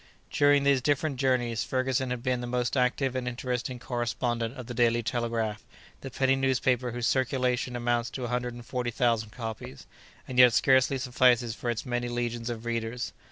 During these different journeys, Ferguson had been the most active and interesting correspondent of the Daily Telegraph, the penny newspaper whose circulation amounts to 140,000 copies, and yet scarcely suffices for its many legions of readers.